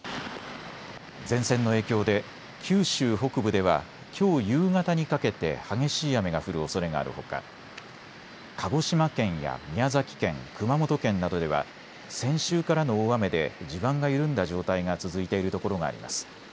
前線の影響で九州北部ではきょう夕方にかけて激しい雨が降るおそれがあるほか鹿児島県や宮崎県、熊本県などでは先週からの大雨で地盤が緩んだ状態が続いているところがあります。